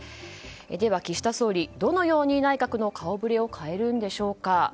では、岸田総理どのように内閣の顔ぶれを変えるんでしょうか。